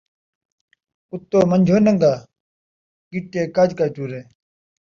اتوں منجھوں ننگا، ڳٹے کڄ کڄ ٹرے